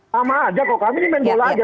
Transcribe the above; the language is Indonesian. sama aja kalau kami main bola aja